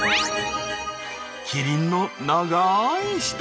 キリンの長い舌。